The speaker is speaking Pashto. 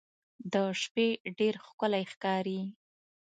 د شپې ډېر ښکلی ښکاري.